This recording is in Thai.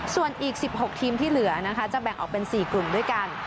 ส่วนอีก๑๖ทีมที่เหลือนะคะจะแบ่งออกเป็น๔กลุ่มด้วยกัน